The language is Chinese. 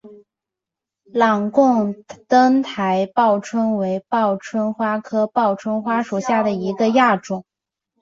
朗贡灯台报春为报春花科报春花属下的一个亚种。